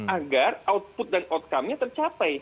agar output dan outcome nya tercapai